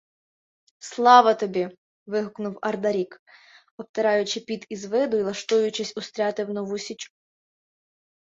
— Слава тобі! — вигукнув Ардарік, обтираючи піт із виду й лаштуючись устряти в нову січу.